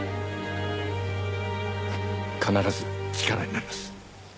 必ず力になります。